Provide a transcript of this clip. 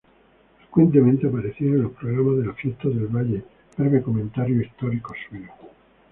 Frecuentemente aparecían en los programas de las Fiestas del Valle breves comentarios históricos suyos.